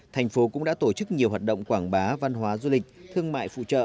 thành phố cũng đã tổ chức nhiều hoạt động quảng bá văn hóa du lịch thương mại phụ trợ